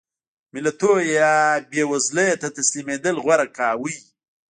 ملتونو یا بېوزلۍ ته تسلیمېدل غوره کاوه.